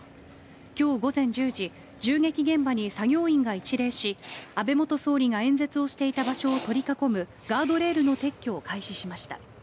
今日午前１０時銃撃現場に作業員が一礼し安倍元総理が演説していた場所を取り囲むガードレールの撤去を開始しました。